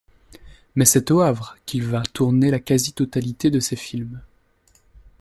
Mais c’est au Havre qu’il va tourner la quasi-totalité de ses films.